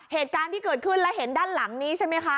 เหตุการณ์ที่เกิดขึ้นแล้วเห็นด้านหลังนี้ใช่ไหมคะ